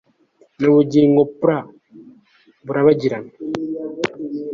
Nubugingo pra burabagirana